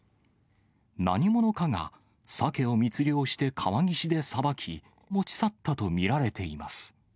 何者かが、サケを密漁して川岸でさばき、持ち去ったと見られています。